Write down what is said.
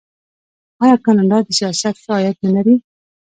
آیا کاناډا د سیاحت ښه عاید نلري؟